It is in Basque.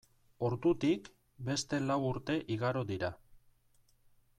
Ordutik beste lau urte igaro dira.